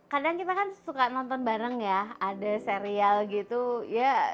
kadang kita kan suka nonton bareng ya ada serial gitu ya